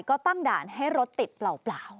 ก็ตั้งด่านให้รถติดเปล่า